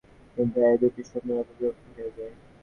চিন্তাশক্তিই এই দুইটি শক্তিরূপে বিভক্ত হইয়া যায়।